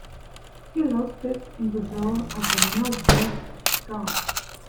He lost it in the door of the Meldrews' car.